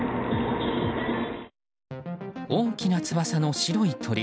大きな翼の白い鳥。